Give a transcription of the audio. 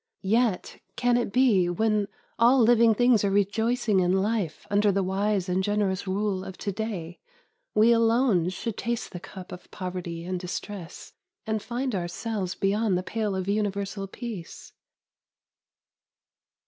Yet can it be that when all livmg things are rejoicing in life under the wise and generous rule of to day, we alone should taste the cup of poverty and distress, and find ourselves beyond the pale of universal peace?